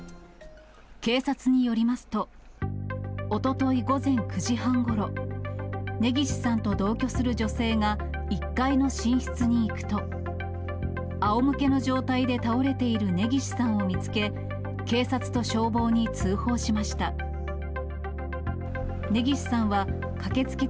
警察によりますと、おととい午前９時半ごろ、根岸さんと同居する女性が１階の寝室に行くと、あおむけの状態で倒れている根岸さんを見つけ、警察と消防に通報しました。